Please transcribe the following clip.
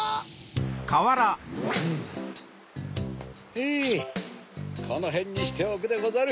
フゥこのへんにしておくでござる。